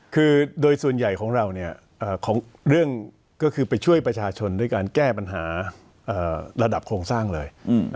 คือโดยส่วนใหญ่ของเราของเรื่องก็คือไปช่วยประชาชนด้วยการแก้ปัญหาระดับโครงสร้างเลย